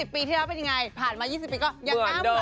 ๒๐ปีที่แล้วเป็นยังไงผ่านมา๒๐ปีก็ยังกล้ามหวั่นโดม